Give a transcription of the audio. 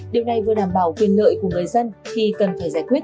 điều này vừa đảm bảo quyền lợi của người dân khi cần phải giải quyết